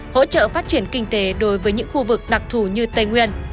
hỗ trợ phát triển kinh tế đối với những khu vực đặc thù như tây nguyên